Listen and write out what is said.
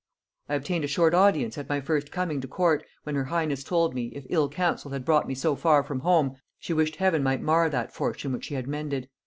I obtained a short audience at my first coming to court, when her highness told me, if ill counsel had brought me so far from home, she wished heaven might mar that fortune which she had mended.